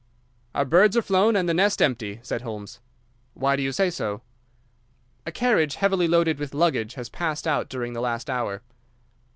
"Our birds are flown and the nest empty," said Holmes. "Why do you say so?" "A carriage heavily loaded with luggage has passed out during the last hour."